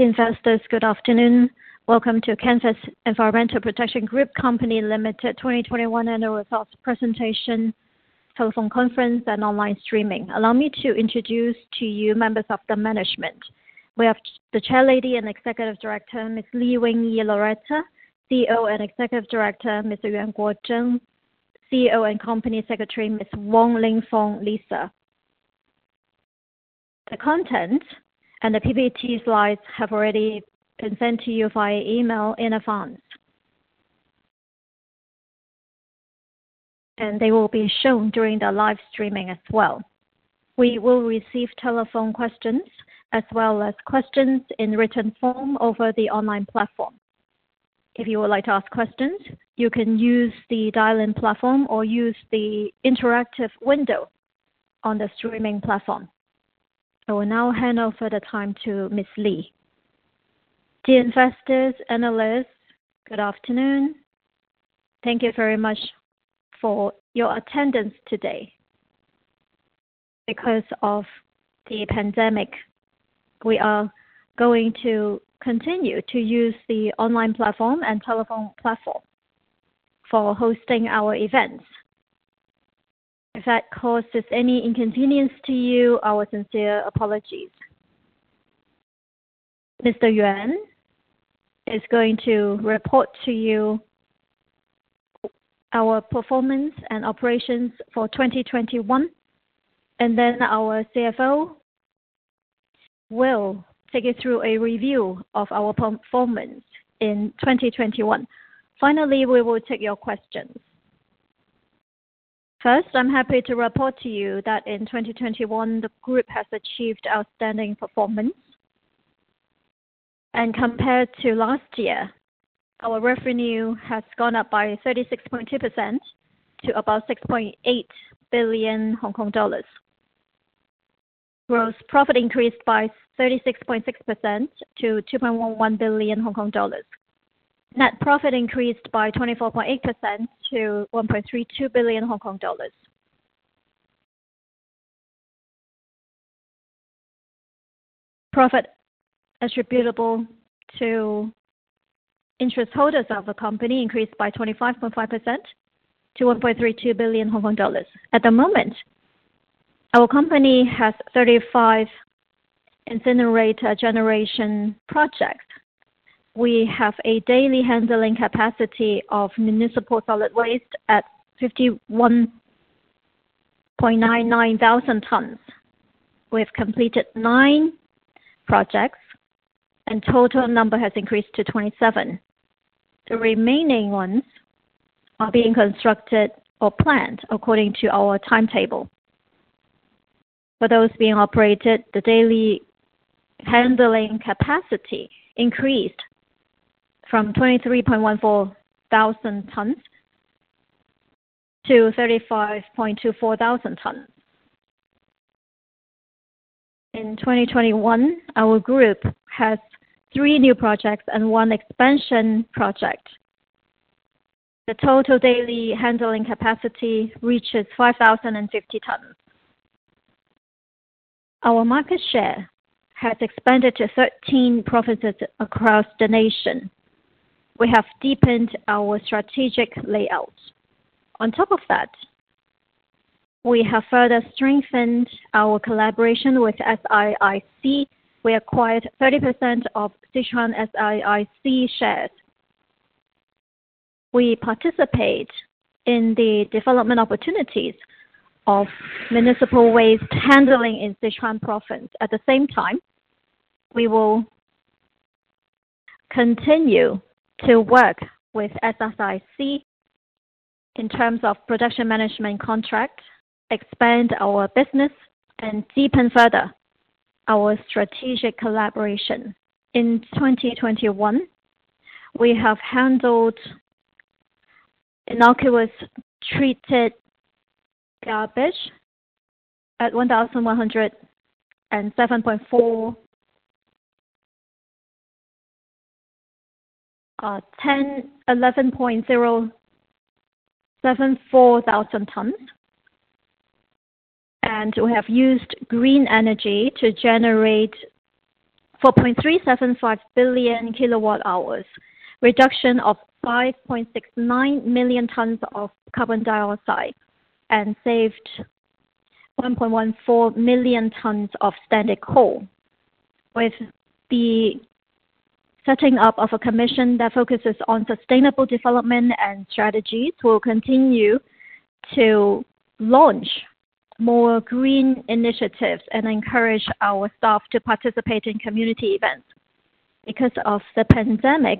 Investors, good afternoon. Welcome to Canvest Environmental Protection Group Company Limited 2021 annual results presentation, telephone conference and online streaming. Allow me to introduce to you members of the management. We have the Chairlady and Executive Director, Miss Lee Wing Yee Loretta, CEO and Executive Director, Mr. Yuan Guozhen, CEO and Company Secretary, Miss Wong Ling Fong Lisa. The content and the PPT slides have already been sent to you via email in advance. They will be shown during the live streaming as well. We will receive telephone questions, as well as questions in written form over the online platform. If you would like to ask questions, you can use the dial-in platform or use the interactive window on the streaming platform. I will now hand over the time to Miss Lee. Dear investors, analysts, good afternoon. Thank you very much for your attendance today. Because of the pandemic, we are going to continue to use the online platform and telephone platform for hosting our events. If that causes any inconvenience to you, our sincere apologies. Mr. Yuan is going to report to you our performance and operations for 2021. Then our CFO will take you through a review of our performance in 2021. Finally, we will take your questions. First, I'm happy to report to you that in 2021, the Group has achieved outstanding performance. Compared to last year, our revenue has gone up by 36.2% to about 6.8 billion Hong Kong dollars. Gross profit increased by 36.6% to 2.1 billion Hong Kong dollars. Net profit increased by 24.8% to 1.32 billion Hong Kong dollars. Profit attributable to interest holders of the company increased by 25.5% to 1.32 billion Hong Kong dollars. At the moment, our company has 35 incinerator generation projects. We have a daily handling capacity of municipal solid waste at 51,990 tons. We have completed nine projects and total number has increased to 27. The remaining ones are being constructed or planned according to our timetable. For those being operated, the daily handling capacity increased from 23,140 tons to 35,240 tons. In 2021, our group has three new projects and one expansion project. The total daily handling capacity reaches 5,050 tons. Our market share has expanded to 13 provinces across the nation. We have deepened our strategic layout. On top of that, we have further strengthened our collaboration with SIIC. We acquired 30% of Sichuan SIIC shares. We participate in the development opportunities of municipal waste handling in Sichuan Province. At the same time, we will continue to work with SIIC in terms of production management contract, expand our business, and deepen further our strategic collaboration. In 2021, we have handled innocuous treated garbage at 11,074 tons, and we have used green energy to generate 4,375,000,000 kWh, reduction of 5,690,000 tons of carbon dioxide, and saved 1,140,000 tons of standard coal. With the setting up of a commission that focuses on sustainable development and strategies, we'll continue to launch more green initiatives and encourage our staff to participate in community events. Because of the pandemic,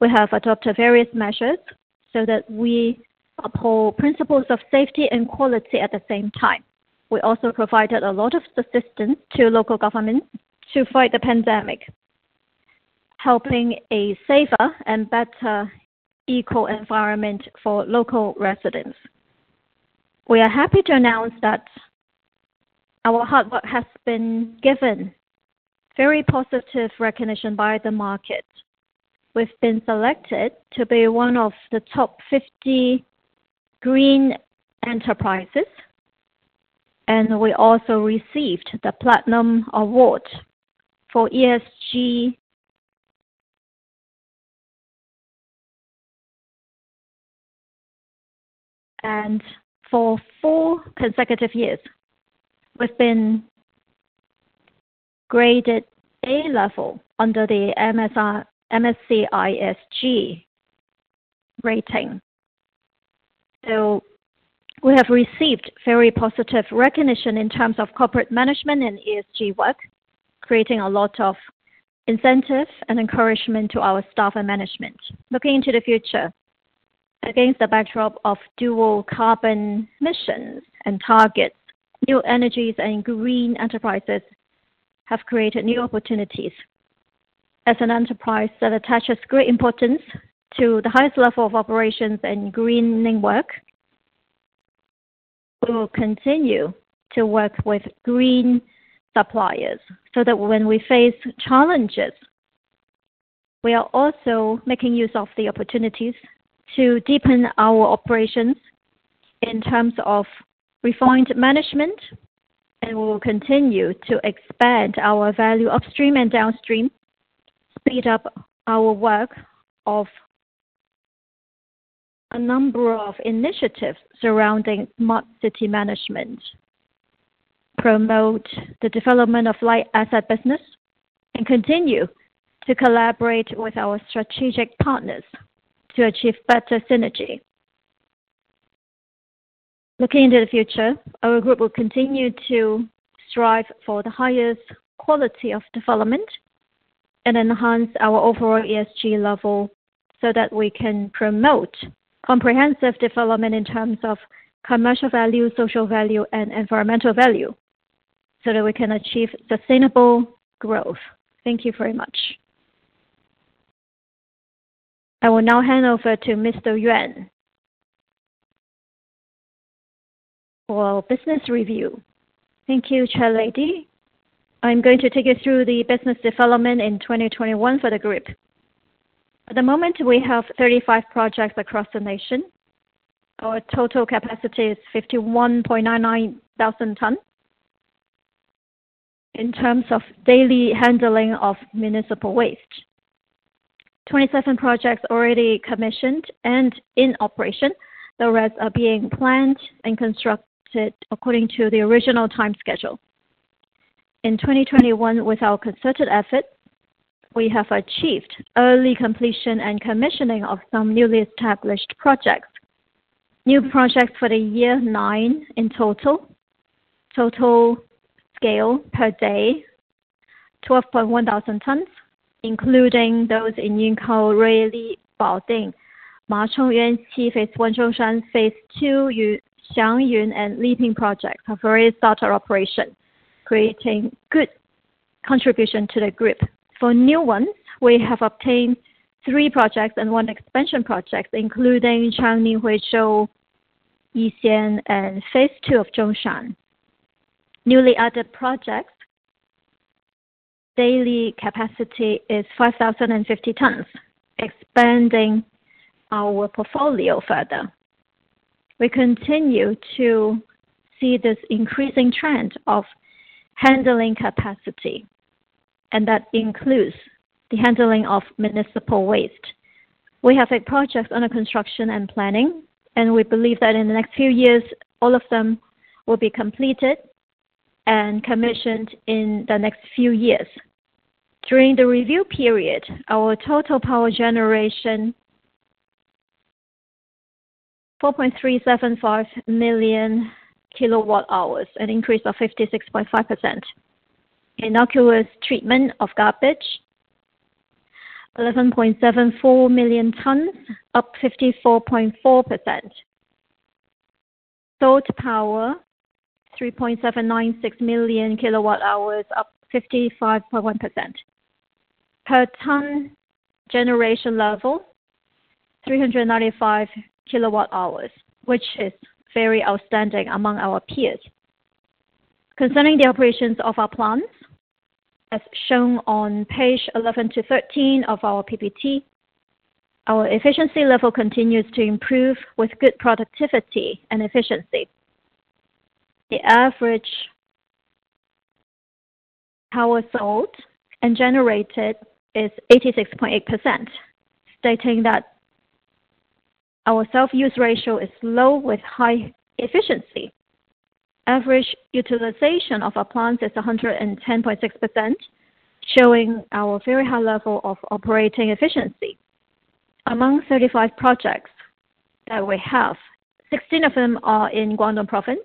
we have adopted various measures so that we uphold principles of safety and quality at the same time. We also provided a lot of assistance to local government to fight the pandemic, helping a safer and better eco environment for local residents. We are happy to announce that our hard work has been given very positive recognition by the market. We've been selected to be one of the top 50 green enterprises. We also received the platinum award for ESG. For four consecutive years, we've been graded A level under the MSCI ESG rating. We have received very positive recognition in terms of corporate management and ESG work, creating a lot of incentive and encouragement to our staff and management. Looking into the future, against the backdrop of dual carbon missions and targets, new energies and green enterprises have created new opportunities. As an enterprise that attaches great importance to the highest level of operations and greening work, we will continue to work with green suppliers so that when we face challenges, we are also making use of the opportunities to deepen our operations in terms of refined management, and we will continue to expand our value upstream and downstream, speed up our work of a number of initiatives surrounding smart city management, promote the development of light asset business, and continue to collaborate with our strategic partners to achieve better synergy. Looking into the future, our group will continue to strive for the highest quality of development and enhance our overall ESG level so that we can promote comprehensive development in terms of commercial value, social value, and environmental value, so that we can achieve sustainable growth. Thank you very much. I will now hand over to Mr. Yuan for business review. Thank you, Chairlady. I'm going to take you through the business development in 2021 for the Group. At the moment, we have 35 projects across the nation. Our total capacity is 51,990 tons in terms of daily handling of municipal waste. 27 projects already commissioned and in operation. The rest are being planned and constructed according to the original time schedule. In 2021, with our concerted effort, we have achieved early completion and commissioning of some newly established projects. New projects for the year, nine in total. Total scale per day, 12,100 tons, including those in Yingkou, Ruili, Baoding, Machong [Yuan Qi], [Huanshan], Phase Two, Xiangyun, and Liping projects have already started operation, creating good contribution to the Group. For new ones, we have obtained three projects and one expansion project, including Changning, Huizhou, Yixian, and Phase Two of Zhongshan. Newly added projects, daily capacity is 5,050 tons, expanding our portfolio further. That includes the handling of municipal waste. We have a project under construction and planning, we believe that in the next few years, all of them will be completed and commissioned in the next few years. During the review period, our total power generation, 4,375,000 kWh, an increase of 56.5%. Innocuous treatment of garbage, 11,740,000 tons, up 54.4%. Sold power, 3,796,000 kWh, up 55.1%. Per ton generation level, 395 kWh, which is very outstanding among our peers. Concerning the operations of our plants, as shown on page 11-page 13 of our PPT, our efficiency level continues to improve with good productivity and efficiency. The average power sold and generated is 86.8%, stating that our self-use ratio is low with high efficiency. Average utilization of our plants is 110.6%, showing our very high level of operating efficiency. Among 35 projects that we have, 16 of them are in Guangdong Province,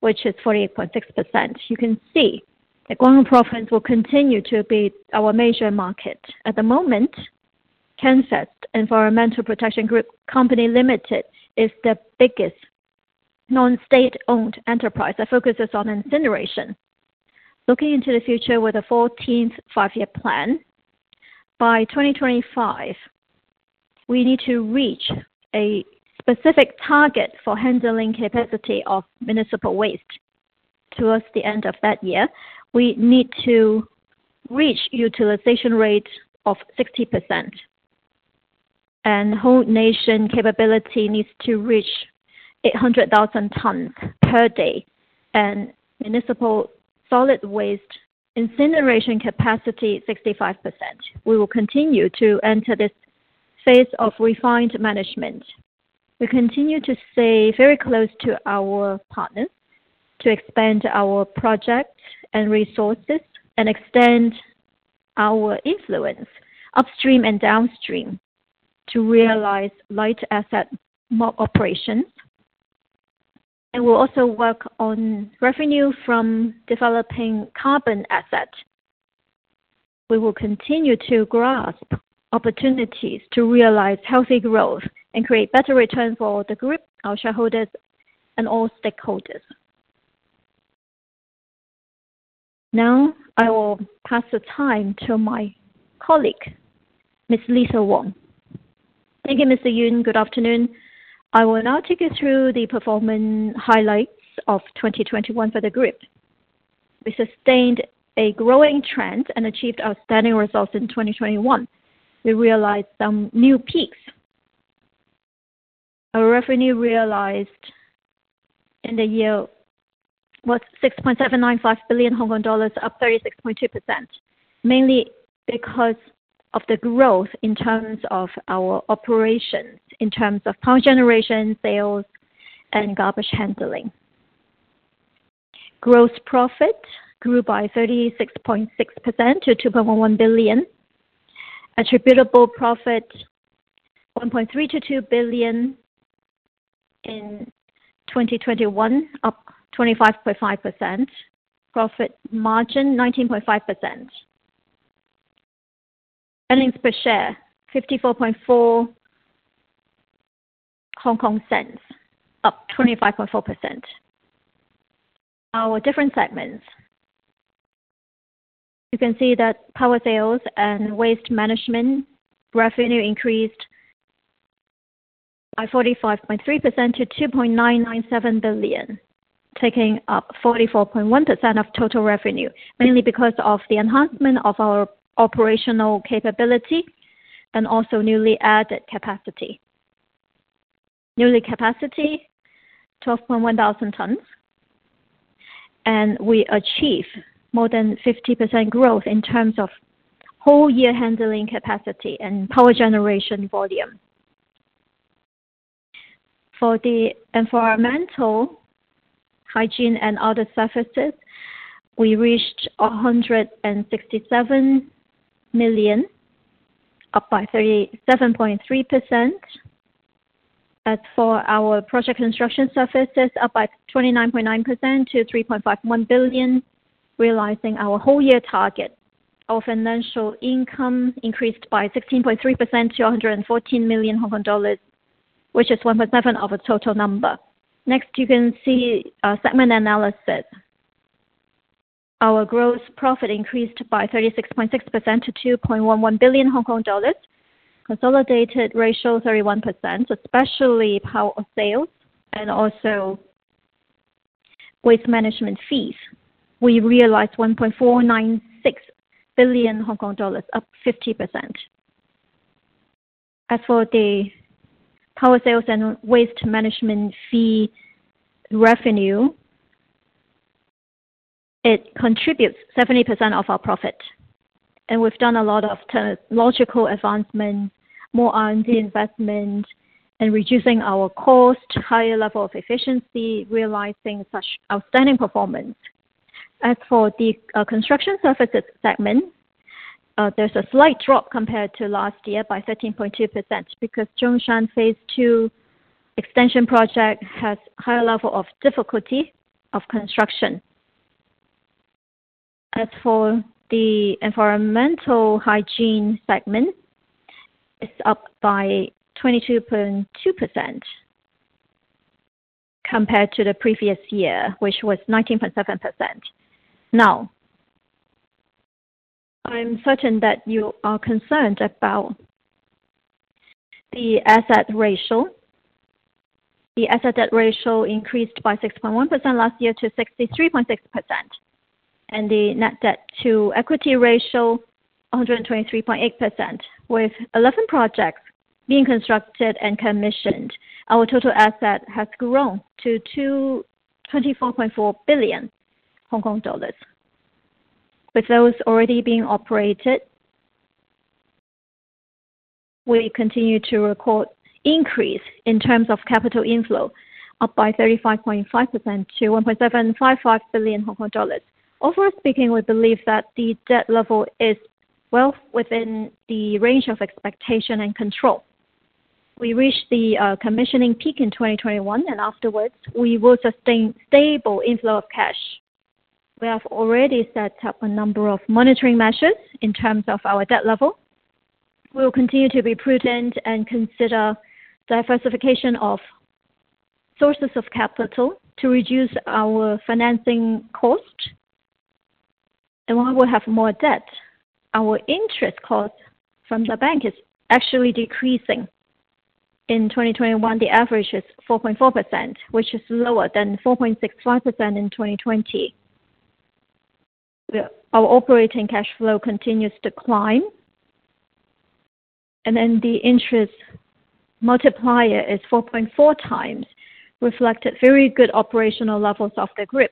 which is 48.6%. You can see that Guangdong Province will continue to be our major market. At the moment, Canvest Environmental Protection Group Company Limited is the biggest non-state-owned enterprise that focuses on incineration. Looking into the future with the 14th Five-Year Plan, by 2025, we need to reach a specific target for handling capacity municipal solid waste. towards the end of that year, we need to reach utilization rate of 60%. Whole nation capability needs to reach 800,000 tons/day and municipal solid waste incineration capacity 65%. We will continue to enter this phase of refined management. We continue to stay very close to our partners to expand our project and resources and extend our influence upstream and downstream to realize asset-light operations. We'll also work on revenue from developing carbon assets. We will continue to grasp opportunities to realize healthy growth and create better return for the Group, our shareholders, and all stakeholders. Now, I will pass the time to my colleague, Ms. Lisa Wong. Thank you, Mr. Yuan. Good afternoon. I will now take you through the performance highlights of 2021 for the Group. We sustained a growing trend and achieved outstanding results in 2021. We realized some new peaks. Our revenue realized in the year was 6.795 billion Hong Kong dollars, up 36.2%, mainly because of the growth in terms of our operations, in terms of power generation, sales, and garbage handling. Gross profit grew by 36.6% to 2.11 billion. Attributable profit, 1.322 billion in 2021, up 25.5%. Profit margin, 19.5%. Earnings per share, 0.544, up 25.4%. Our different segments. You can see that power sales and waste management revenue increased by 45.3% to 2.997 billion, taking up 44.1% of total revenue, mainly because of the enhancement of our operational capability and also newly added capacity, 12,100 tons. We achieve more than 50% growth in terms of whole year handling capacity and power generation volume. For the environmental, hygiene, and other services, we reached 167 million, up by 37.3%. Our project construction services, up by 29.9% to 3.51 billion, realizing our whole year target. Our financial income increased by 16.3% to 114 million Hong Kong dollars, which is 1.7% of the total number. You can see our segment analysis. Our gross profit increased by 36.6% to 2.11 billion Hong Kong dollars. Consolidated ratio 31%, especially power of sales and also waste management fees. We realized 1.496 billion Hong Kong dollars, up 50%. As for the power sales and waste management fee revenue, it contributes 70% of our profit. We've done a lot of technological advancement, more R&D investment, and reducing our cost, higher level of efficiency, realizing such outstanding performance. As for the construction services segment, there's a slight drop compared to last year by 13.2% because Zhongshan phase two extension project has higher level of difficulty of construction. As for the environmental hygiene segment, it's up by 22.2% compared to the previous year, which was 19.7%. I'm certain that you are concerned about the asset ratio. The asset debt ratio increased by 6.1% last year to 63.6%, and the net debt to equity ratio, 123.8%. With 11 projects being constructed and commissioned, our total asset has grown to 24.4 billion Hong Kong dollars. With those already being operated, we continue to record increase in terms of capital inflow, up by 35.5% to 1.755 billion Hong Kong dollars. Overall speaking, we believe that the debt level is well within the range of expectation and control. We reached the commissioning peak in 2021, and afterwards, we will sustain stable inflow of cash. We have already set up a number of monitoring measures in terms of our debt level. We will continue to be prudent and consider diversification of sources of capital to reduce our financing cost. While we have more debt, our interest cost from the bank is actually decreasing. In 2021, the average is 4.4%, which is lower than 4.65% in 2020. Our operating cash flow continues to climb. The interest multiplier is 4.4x, reflected very good operational levels of the Group.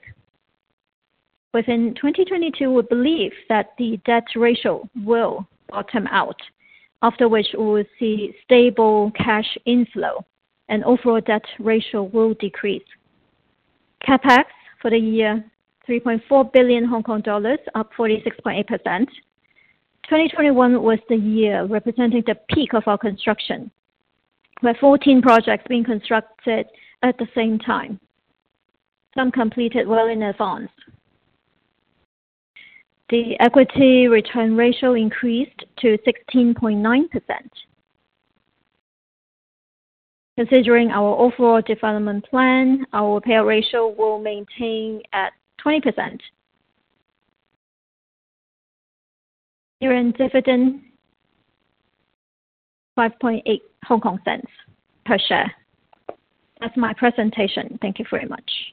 Within 2022, we believe that the debt ratio will bottom out, after which we will see stable cash inflow and overall debt ratio will decrease. CapEx for the year, 3.4 billion Hong Kong dollars, up 46.8%. 2021 was the year representing the peak of our construction, with 14 projects being constructed at the same time. Some completed well in advance. The equity return ratio increased to 16.9%. Considering our overall development plan, our payout ratio will maintain at 20%. Year-end dividend, HKD 0.058/share. That's my presentation. Thank you very much.